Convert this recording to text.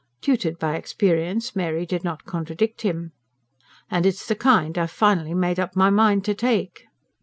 Tutored by experience, Mary did not contradict him. "And it's the kind I've finally made up my mind to take."